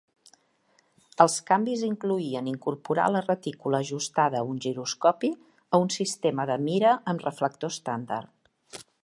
Els canvis incloïen incorporar la retícula ajustada a un giroscopi a un sistema de mira amb reflector estàndard.